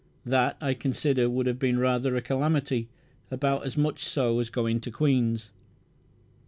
That, I consider, would have been rather a calamity, about as much so as going to Queen's."